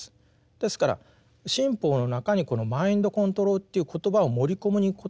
ですから新法の中にこのマインドコントロールという言葉を盛り込むことによってですね